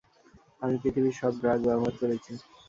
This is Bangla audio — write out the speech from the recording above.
আমি পৃথিবীর সব ড্রাগ ব্যবহার করেছি।